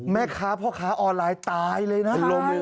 แม่ค้าพ่อค้าออนไลน์ตายเลยนะ